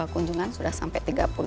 kunjungan sudah sampai tiga puluh